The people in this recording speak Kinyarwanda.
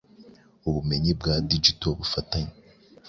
Ubumenyi bwa Digital bufatanye